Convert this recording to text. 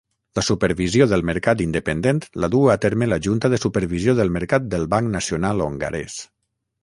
La supervisió del mercat independent la duu a terme la Junta de Supervisió del Mercat del Banc Nacional hongarès.